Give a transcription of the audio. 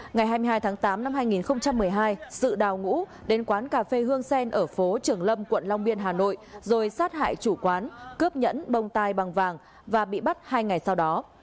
ngày hai mươi hai tháng tám năm hai nghìn một mươi hai sự đào ngũ đến quán cà phê hương sen ở phố trường lâm quận long biên hà nội rồi sát hại chủ quán cướp nhẫn bông tai bằng vàng và bị bắt hai ngày sau đó